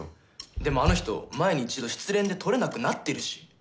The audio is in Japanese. でもあの人前に一度失恋で撮れなくなってるし。